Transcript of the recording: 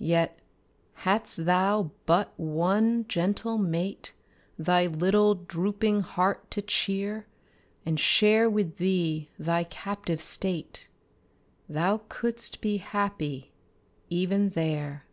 Yet, hadst thou but one gentle mate Thy little drooping heart to cheer, And share with thee thy captive state, Thou couldst be happy even there.